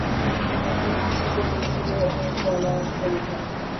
তাহাকে আসিতে দেখিলেই আমি পলায়ন করিতাম।